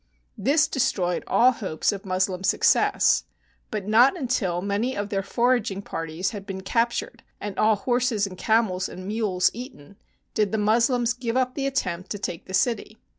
This destroyed all hopes of Moslem success. But not until many of their foraging parties had been captured and all horses and camels and mules eaten, did the Moslems give up the attempt to take the city.